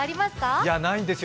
いや、ないんですよ。